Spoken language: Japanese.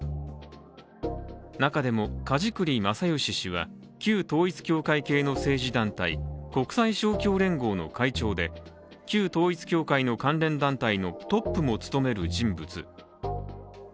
中でも、梶栗正義氏は、旧統一教会系の政治団体、国際勝共連合の会長で、旧統一教会の関連団体のトップも務める人物。